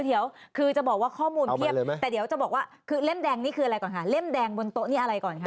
นี่คืออะไรก่อนค่ะเล่มแดงบนโต๊ะนี่อะไรก่อนครับ